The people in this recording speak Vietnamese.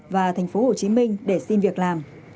và thành phố hồ chí minh để xin việc làm